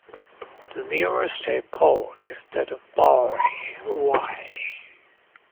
The nearest airport is that of Bari, away.